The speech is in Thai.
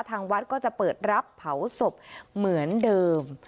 ทางวัดก็จะเปิดรับเผาศพเหมือนเดิม